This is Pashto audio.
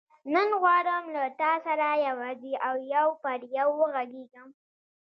نن غواړم له تا سره یوازې او یو پر یو وغږېږم.